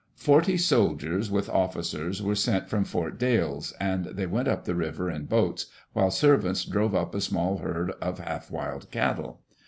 Forty soldiers, with officers, were sent from Fort Dalles, and they went up the river in boats, while servants drove up a small herd of half wild cattle.